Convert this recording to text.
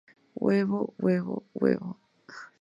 Huevo, Huevo, Huevo".